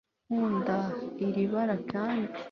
nkunda iri bara, kandi